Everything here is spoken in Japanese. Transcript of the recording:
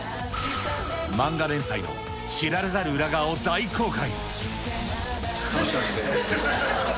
漫画連載の知られざる裏側を大公開！